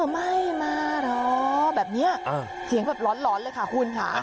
ไม่มาเหรอแบบเนี้ยเออเสียงแบบร้อนร้อนเลยค่ะคุณค่ะ